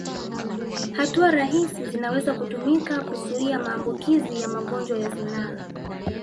Hatua rahisi zinaweza kutumika kuzuia maambukizi ya magonjwa ya zinaa